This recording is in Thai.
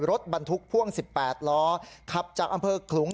รถบรรทุกพ่วง๑๘ล้อขับจากอำเภอขลุง